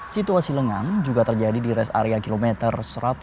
situasi lengang juga terjadi di res area kilometer satu ratus delapan puluh